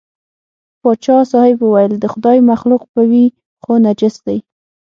پاچا صاحب وویل د خدای مخلوق به وي خو نجس دی.